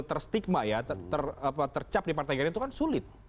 terstigma ya tercap di partai gerindra itu kan sulit